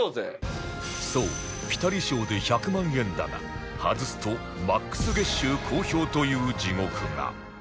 そうピタリ賞で１００万円だが外すと ＭＡＸ 月収公表という地獄が